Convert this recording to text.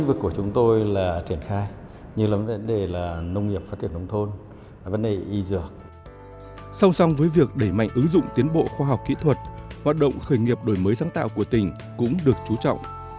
với ứng dụng tiến bộ khoa học kỹ thuật hoạt động khởi nghiệp đổi mới sáng tạo của tỉnh cũng được chú trọng